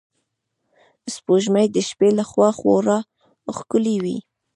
سپوږمۍ د شپې له خوا خورا ښکلی وي